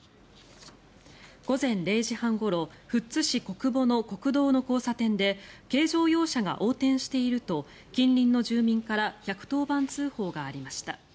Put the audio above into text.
午前０時半ごろ富津市小久保の国道の交差点で軽乗用車が横転していると近隣の住民から１１０番通報がありました。